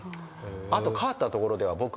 あと変わったところでは僕。